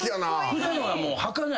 普段はもうはかない？